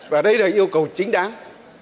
và đây là yêu cầu chính đáng